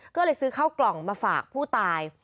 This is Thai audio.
ก็เลยซื้อข้าวกล่องมาฝากผู้ตาย